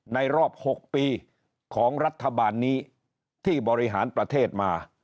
ในรอบ๖ปีของรัฐบาลนี้ที่บริหารประเทศมา